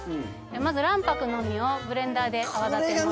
まず卵白のみをブレンダーで泡立てます